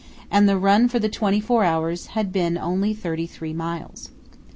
and the run for the twenty four hours had been only 33 miles.